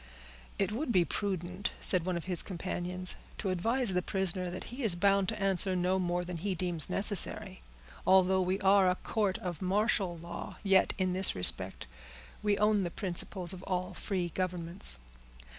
"It would be prudent," said one of his companions, "to advise the prisoner that he is bound to answer no more than he deems necessary; although we are a court of martial law, yet, in this respect, we own the principles of all free governments."